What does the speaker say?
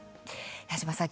矢島さん